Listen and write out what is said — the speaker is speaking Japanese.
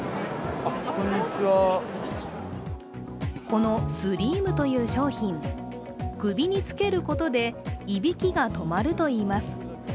このＳｌｅｅｉｍという商品、首につけることでいびきが止まるといいます。